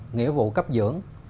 nghĩa vụ cấp dưỡng